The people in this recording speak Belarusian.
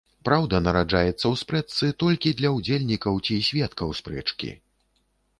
Праўда нараджаецца ў спрэчцы толькі для ўдзельнікаў ці сведкаў спрэчкі.